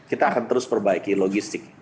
kita akan terus perbaiki logistik